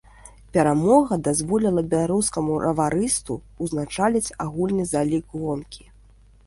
Перамога дазволіла беларускаму раварысту ўзначаліць агульны залік гонкі.